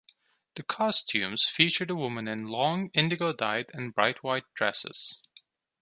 The costumes feature the women in long indigo-dyed and bright white dresses.